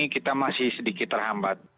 kita masih sedikit terhambat